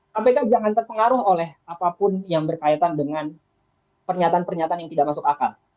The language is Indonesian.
kpk jangan terpengaruh oleh apapun yang berkaitan dengan pernyataan pernyataan yang tidak masuk akal